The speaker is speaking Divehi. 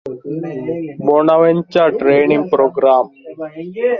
ބޮނަވެންޗަރ ޓްރެއިނިންގ ޕްރޮގްރާމް